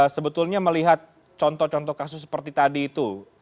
sebetulnya melihat contoh contoh kasus seperti tadi itu